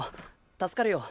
助かるよ。